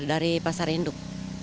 dari pasar induk